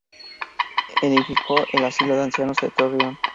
Edificó el Asilo de Ancianos de Torreón.